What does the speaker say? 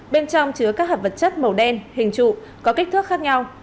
bên trong chứa các hạt vật chất màu đen hình trụ có kích thước khác nhau